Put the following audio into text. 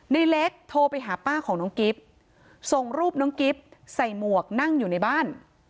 ในเล็กโทรไปหาป้าของน้องกิฟต์ส่งรูปน้องกิ๊บใส่หมวกนั่งอยู่ในบ้าน